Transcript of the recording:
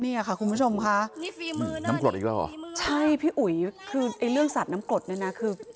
เนี่ยค่ะคุณผู้ชมค่ะนี่ฟิล์น้ำกรดอีกแล้วเหรอใช่พี่อุ๋ยคือไอ้เรื่องสัตว์น้ำกรดเนี่ยนะคือ